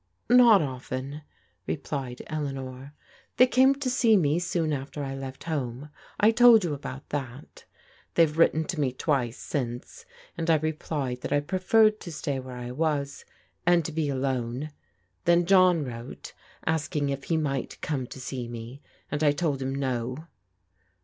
'* Not often," replied Eleanor ;" they came to see me soon after I left home. I told you about that They've written to me twice since, and I replied that I preferred to stay where I was, and to be alone. Then John wrote asking if he might come to see me, and I told him no.